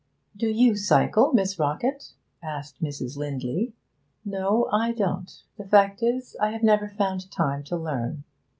'Do you cycle, Miss Rockett?' asked Mrs. Lindley. 'No, I don't. The fact is, I have never found time to learn.'